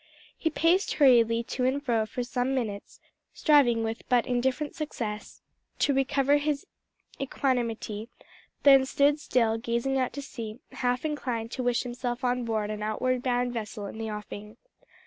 He paced hurriedly to and fro for some minutes, striving, with but indifferent success, to recover his equanimity, then stood still, gazing out to sea, half inclined to wish himself on board an outward bound vessel in the offing.